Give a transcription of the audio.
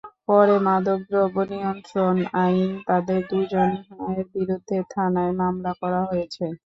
পরে মাদকদ্রব্য নিয়ন্ত্রণ আইনে তাঁদের দুজনের বিরুদ্ধে থানায় মামলা করা হয়েছে।